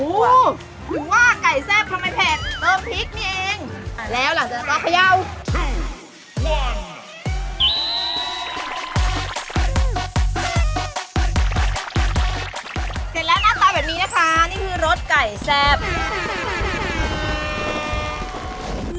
เสร็จแล้วหน้าตาแบบนี้นะคะนี่คือรสไก่แซ่บ